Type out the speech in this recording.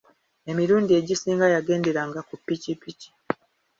Emirundi egisinga yagenderanga ku pikipiki.